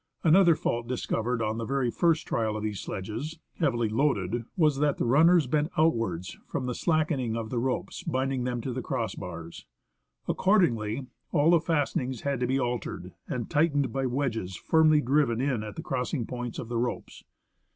Another fault dis covered on the very first trial of these sledges, heavily loaded, was that the runners bent outwards from the slackening of the ropes binding them to the cross bars. Accordingly, all the fastenings had to be altered, and tightened by wedges firmly driven in at the crossing points of the ropes.